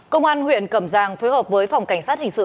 công an huyện cẩm giang phối hợp với phòng cảnh sát hình sự